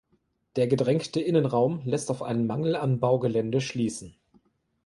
Der gedrängte Innenraum lässt auf einen Mangel an Baugelände schließen.